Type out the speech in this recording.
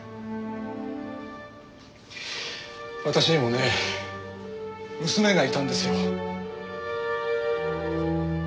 私にもね娘がいたんですよ。